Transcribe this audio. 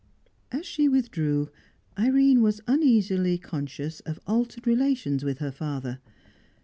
As she withdrew, Irene was uneasily conscious of altered relations with her father.